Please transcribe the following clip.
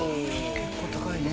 結構高いね。